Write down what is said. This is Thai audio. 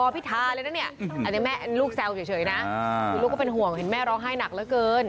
พี่ลูกก็เป็นห่วงเห็นแม่ร้องไห้หนักแล้วเกิน